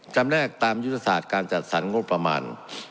แลกตามยุทธศาสตร์การจัดสรรงบประมาณ